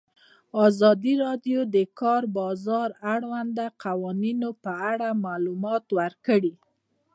ازادي راډیو د د کار بازار د اړونده قوانینو په اړه معلومات ورکړي.